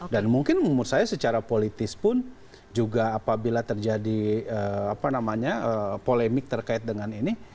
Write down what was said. dan mungkin menurut saya secara politis pun juga apabila terjadi polemik terkait dengan ini